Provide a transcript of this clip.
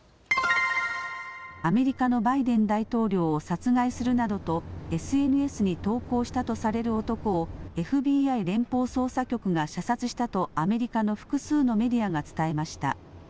アメリカのバイデン大統領を殺害するなどとＳＮＳに投稿したとされる男をＦＢＩ・連邦捜査局が射殺したとアメリカの複数のメディアが伝えました。